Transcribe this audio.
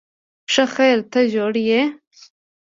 ښه خیر، ته جوړ یې؟